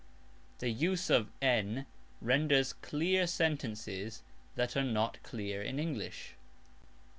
This use of "n" renders clear sentences that are not clear in English.